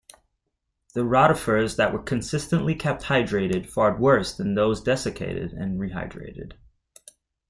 The rotifers that were consistently kept hydrated fared worse than those desiccated and rehydrated.